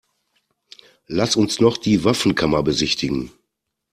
Lass uns noch die Waffenkammer besichtigen.